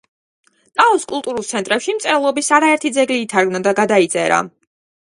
ტაოს კულტურულ ცენტრებში მწერლობის არაერთი ძეგლი ითარგმნა და გადაიწერა.